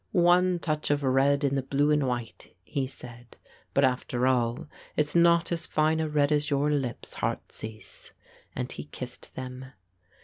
"One touch of red in the blue and white," he said, "but after all, it's not as fine a red as your lips, heartsease," and he kissed them.